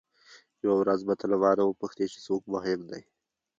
یوه ورځ به ته له مانه وپوښتې چې څوک مهم دی.